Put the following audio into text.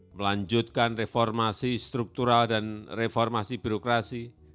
melanjutkan reformasi struktural dan reformasi birokrasi